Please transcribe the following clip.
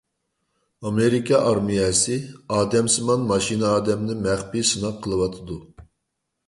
ئامېرىكا ئارمىيەسى ئادەمسىمان ماشىنا ئادەمنى مەخپىي سىناق قىلىۋاتىدۇ.